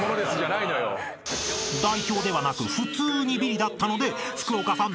［代表ではなく普通にビリだったので福岡さん